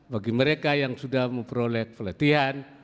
bagi mereka yang sudah memperoleh pelatihan